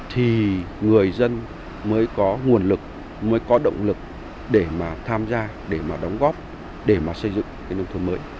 thì người dân mới có nguồn lực mới có động lực để mà tham gia để mà đóng góp để mà xây dựng cái nông thôn mới